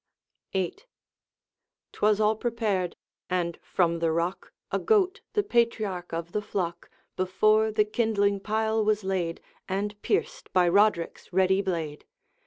VIII. 'T was all prepared; and from the rock A goat, the patriarch of the flock, Before the kindling pile was laid, And pierced by Roderick's ready blade.